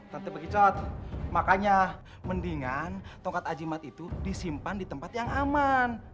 tapi begitu makanya mendingan tongkat ajimat itu disimpan di tempat yang aman